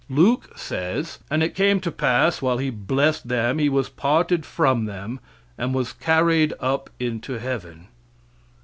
Luke says: "And it came to pass while He blessed them He was parted from them and was carried up into heaven."